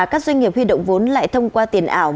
các doanh nghiệp huy động vốn lại thông qua tiền ảo